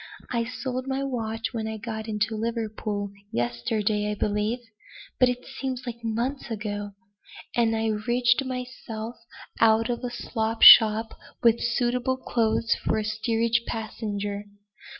I sold my watch when I got into Liverpool yesterday, I believe but it seems like months ago. And I rigged myself out at a slop shop with suitable clothes for a steerage passenger.